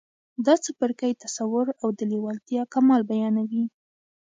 دا څپرکی تصور او د لېوالتیا کمال بيانوي.